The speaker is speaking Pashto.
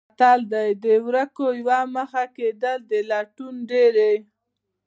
متل دی: د ورکو یوه مخه کېدل د لټون ډېرې.